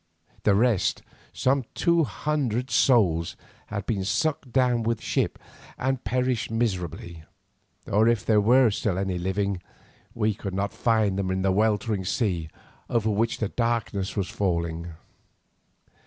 The rest, some two hundred souls, had been sucked down with the ship and perished miserably, or if there were any still living, we could not find them in that weltering sea over which the darkness was falling.